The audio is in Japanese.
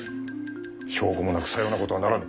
証拠もなくさようなことはならぬ。